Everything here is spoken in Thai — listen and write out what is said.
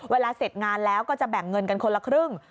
เวลาเสร็จงานแล้วก็จะแบ่งเงินกันคนละครึ่ง